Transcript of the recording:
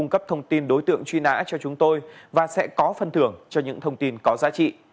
cấp thông tin đối tượng truy nã cho chúng tôi và sẽ có phân thưởng cho những thông tin có giá trị